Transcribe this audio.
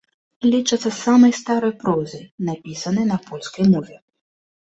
Лічацца самай старой прозай, напісанай на польскай мове.